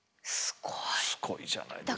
すごいじゃないですか。